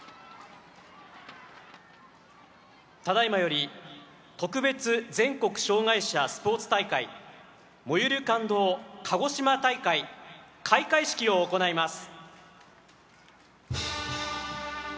ただいまより特別全国障害者スポーツ大会「燃ゆる感動かごしま大会」開会式を行います。